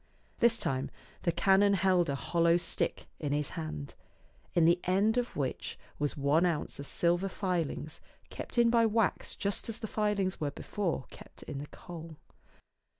This time the canon held a hollow stick in his hand, in the end of which was one ounce of silver filings kept in by wax just as the filings were before kept in the coal.